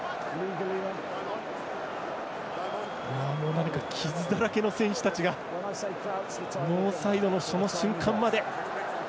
何か傷だらけの選手たちがノーサイドのその瞬間まで。